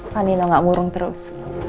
pak nino gak ngurung terus